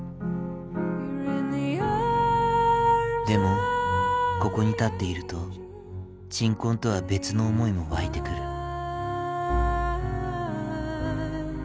でもここに立っていると鎮魂とは別の思いも湧いてくる。